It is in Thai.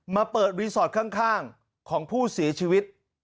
มาเปิดรีสอร์ทข้างของผู้เสียชีวิต